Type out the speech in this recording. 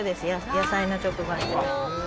野菜の直売所。